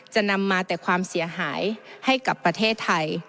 จะนำมาแต่ความเสียหายให้กับประเทศไทย